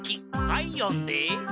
はい読んで。